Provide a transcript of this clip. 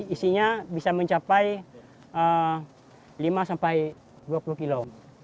isinya bisa mencapai lima sampai dua puluh kilo